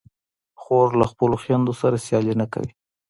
خور له خپلو خویندو سره سیالي نه کوي.